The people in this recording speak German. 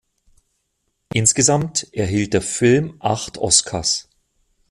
Insgesamt erhielt der Film acht Oscars.